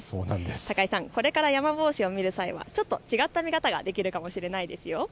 高井さん、これからヤマボウシを見る際はちょっと違った見方ができるかもしれないですよ。